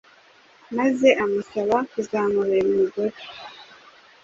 maze amusaba kuzamubera umugore